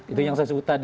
itu yang saya sebut tadi